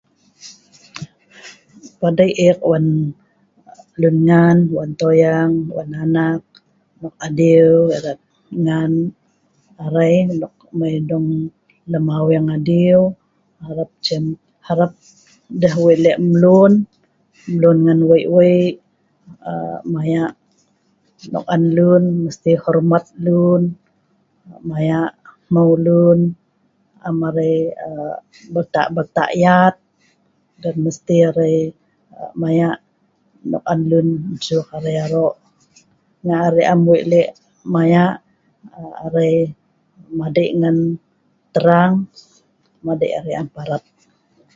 Madei' ek wan lun ngan, wan toyang, wan anak nok adiu erat ngan arai nok mai dong lem aweng adiu, harap cem harap deh wei' leh' mlun, mlun ngan wei' wei' aa maya nok an leun, mesti hormat leun, maya' hmeu' leun, am arai aaa beltah belta yat, dan mesti arai maya' nok an leun nsuk aro'. Nga' arai am wei' leh' maya' madei arai ngan terang, madei' arai am parap.